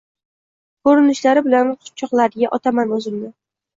Ko‘rinishlari bilan quchoqlariga otaman o‘zimni